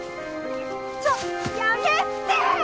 ちょっとやめて！